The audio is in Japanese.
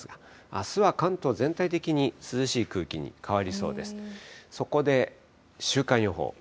あすは関東全体的に涼しい空気に変わりそうです。